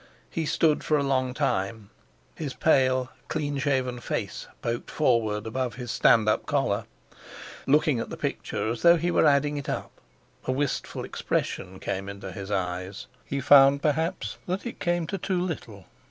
He stood for a long time, his pale, clean shaven face poked forward above his stand up collar, looking at the picture as though he were adding it up; a wistful expression came into his eyes; he found, perhaps, that it came to too little.